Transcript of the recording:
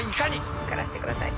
受からせてください。